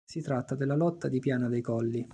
Si tratta della "lotta di Piana dei Colli".